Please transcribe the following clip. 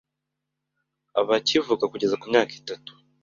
abakivuka kugeza ku myaka itatu,